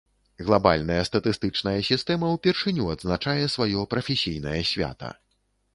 Глабальная статыстычная сістэма ўпершыню адзначае сваё прафесійнае свята.